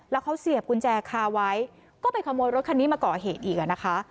แล้วเขาเสียบกุญแจคาไว้ก็ไปขโมยรถคันนี้มาก่อเหตุอีกอ่ะนะคะ